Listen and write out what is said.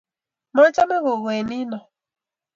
machame gogoe nino